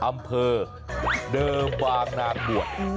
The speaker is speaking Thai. อำเภอเดิมบางนางบวช